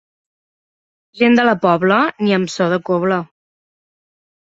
Gent de la Pobla, ni amb so de cobla.